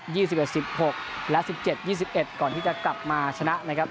ี่สิบเอ็ดสิบหกและสิบเจ็ดยี่สิบเอ็ดก่อนที่จะกลับมาชนะนะครับ